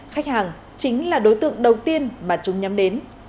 khách hàng chính là đối tượng đầu tiên mà chúng nhắm đến